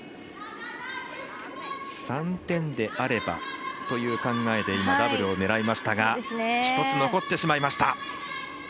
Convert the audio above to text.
３点であればという考えで今、ダブルを狙いましたが１つ残ってしまいました。